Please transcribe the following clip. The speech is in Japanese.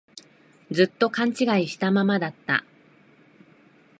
ずっと勘違いしたままだった